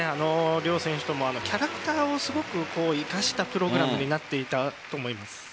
両選手ともキャラクターをすごく生かしたプログラムになっていたと思います。